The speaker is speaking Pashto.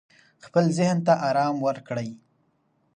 خپل ذهن ته آرام ورکړئ.